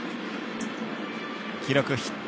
記録ヒット。